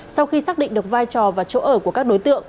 sau khi xác định được vai trò và chỗ ở của các đối tượng